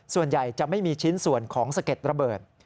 ส่วนใหญ่จะไม่มีชิ้นส่วนของสะเก็ดระเบิด